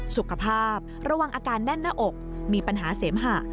สุขภาพระวังอาการแน่นหน้าอกมีปัญหาเสมหะ